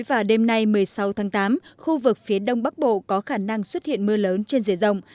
và đêm nay một mươi sáu tháng tám khu vực phía đông bắc bộ có khả năng xuất hiện mưa lớn trên dề rộng